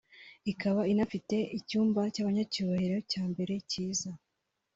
ikaba inafite icyumba cy’abanyacyubahiro cya mbere cyiza